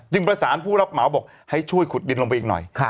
ประสานผู้รับเหมาบอกให้ช่วยขุดดินลงไปอีกหน่อย